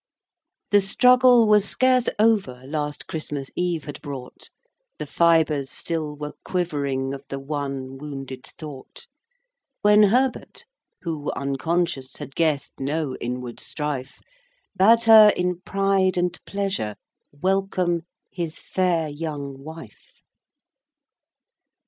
V. The struggle was scarce over Last Christmas Eve had brought: The fibres still were quivering Of the one wounded thought, When Herbert—who, unconscious, Had guessed no inward strife— Bade her, in pride and pleasure, Welcome his fair young wife.